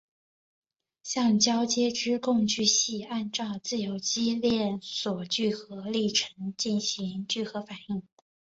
橡胶接枝共聚系按自由基链锁聚合历程进行聚合反应。